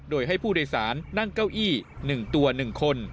โดยให้ผู้โดยสารนั่งเก้าอี้๑ตัว๑คน